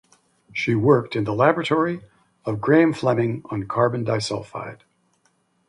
She worked in the laboratory of Graham Fleming on carbon disulfide.